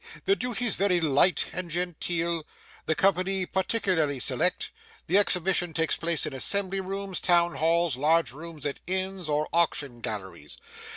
The duty's very light and genteel, the company particularly select, the exhibition takes place in assembly rooms, town halls, large rooms at inns, or auction galleries.